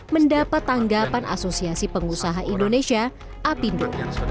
mendapat tanggapan asosiasi pengusaha indonesia apindo